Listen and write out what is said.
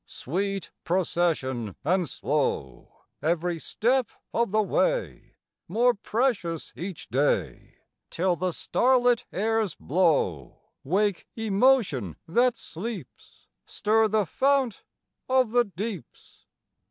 Sweet procession and slow, Every step of the way More precious each day, Till the starlit airs blow, Wake emotion that sleeps, Stir the fount of the deeps.